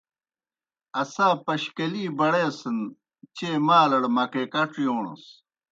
اسا پشکَلی بڑیسَن چیئے مالڑ مکئے کڇ یوݨَس۔